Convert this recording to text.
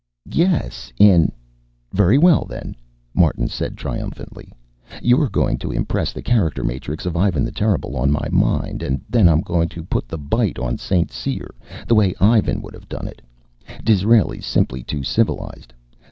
"Yes, in " "Very well, then," Martin said triumphantly. "You're going to impress the character matrix, of Ivan the Terrible on my mind, and then I'm going to put the bite on St. Cyr, the way Ivan would have done it. Disraeli's simply too civilized.